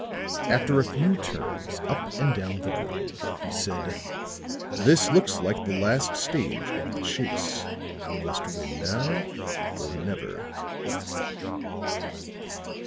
After a few turns up and down the room, he said: "This looks like the last stage of the chase. We must win now, or never."